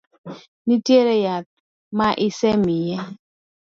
Nitie yath ma isemiye?